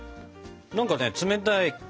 何かね冷たい。